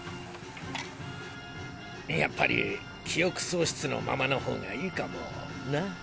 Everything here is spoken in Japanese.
やっぱり記憶喪失のままの方がいいかもな。